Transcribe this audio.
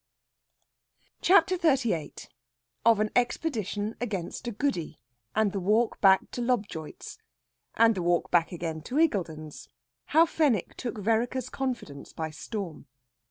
CHAPTER XXXVIII OF AN EXPEDITION AGAINST A GOODY, AND THE WALK BACK TO LOBJOIT'S. AND THE WALK BACK AGAIN TO IGGULDEN'S. HOW FENWICK TOOK VEREKER'S CONFIDENCE BY STORM.